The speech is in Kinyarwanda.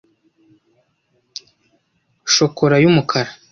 chocola y’umukara